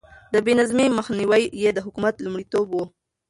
د بې نظمي مخنيوی يې د حکومت لومړيتوب و.